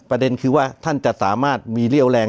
ประเด็นคือว่าท่านจะสามารถมีเรี่ยวแรง